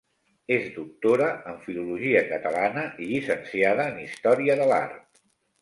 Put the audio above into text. És doctora en filologia catalana i llicenciada en història de l'art.